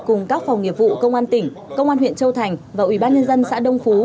cùng các phòng nghiệp vụ công an tỉnh công an huyện châu thành và ủy ban nhân dân xã đông phú